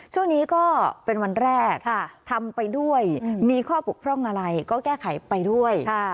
ช่วงนี้ก็เป็นวันแรกทำไปด้วยมีข้อบกพร่องอะไรก็แก้ไขไปด้วย